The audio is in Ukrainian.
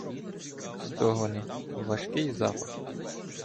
Стогони, важкий запах.